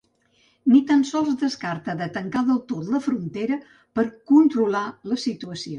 Ni tan sols descarta de tancar del tot la frontera per ‘controlar’ la situació.